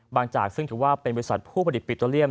เพราะว่าเป็นบริษัทผู้ผลิตปิตเตอร์เรียม